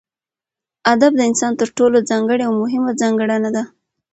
ادب دانسان تر ټولو ځانګړې او مهمه ځانګړنه ده